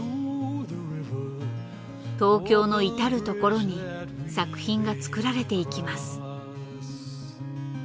東京の至る所に作品が造られていきます。